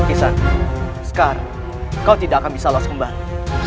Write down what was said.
isan sekarang kau tidak akan bisa lelah sekembang